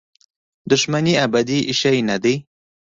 دښمني ابدي شی نه دی.